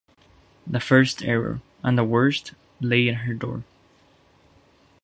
The first error, and the worst, lay at her door.